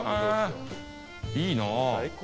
いいな。